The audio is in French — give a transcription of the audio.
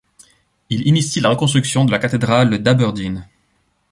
Il initie la reconstruction de la cathédrale d'Aberdeen.